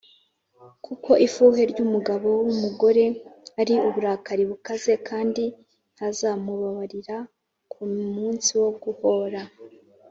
kuko ifuhe ry’umugabo w’umugore ari uburakari bukaze, kandi ntazamubabarira ku munsi wo guhōra